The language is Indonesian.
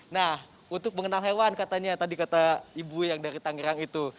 nah untuk mengenal hewan katanya tadi kata ibu yang dari tangerang itu